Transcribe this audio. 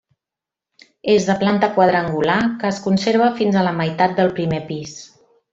És de planta quadrangular, que es conserva fins a la meitat del primer pis.